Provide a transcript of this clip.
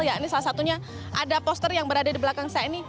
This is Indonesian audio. ya ini salah satunya ada poster yang berada di belakang saya ini